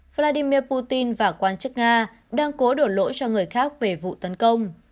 vladimir putin và quan chức nga đang cố đổ lỗi cho người khác về vụ tấn công